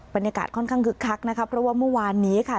บรรยากาศค่อนข้างคึกคักนะคะเพราะว่าเมื่อวานนี้ค่ะ